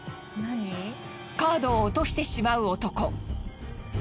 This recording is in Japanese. カードを落としてしまう男。